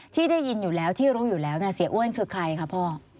ที่ได้ยินอยู่แล้วที่รู้อยู่แล้วเสียอ้วนคือใครคะพ่อ